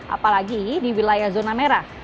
apalagi di wilayah zona merah